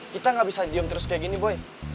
kita nggak bisa diem terus kayak gini boy